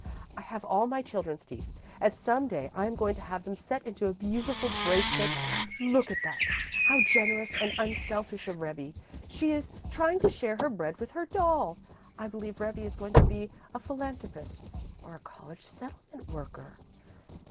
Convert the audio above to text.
I have all my children's teeth, and some day I am going to have them set into a beautiful bracelet. Look at that! How generous and unselfish of Rebbie! She is trying to share her bread with her doll. I believe Rebbie is going to be a philanthropist, or a college settlement worker.